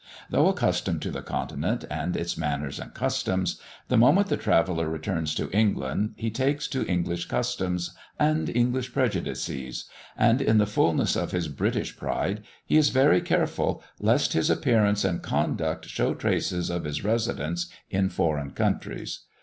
Though accustomed to the Continent, and its manners and customs, the moment the traveller returns to England, he takes to English customs and English prejudices, and, in the fulness of his British pride, he is very careful lest his appearance and conduct show traces of his residence in foreign countries.